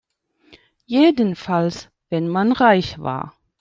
Jedenfalls wenn man reich war.